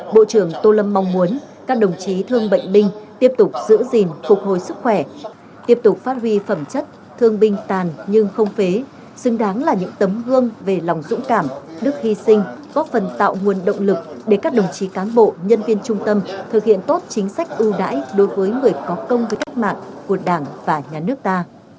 bộ trưởng tô lâm mong muốn các đồng chí thương bệnh binh tiếp tục giữ gìn phục hồi sức khỏe tiếp tục phát huy phẩm chất thương binh tàn nhưng không phế xứng đáng là những tấm hương về lòng dũng cảm nước hy sinh góp phần tạo nguồn động lực để các đồng chí cán bộ nhân viên trung tâm thực hiện tốt chính sách ưu đãi đối với người có công với cách mạng của đảng và nhà nước ta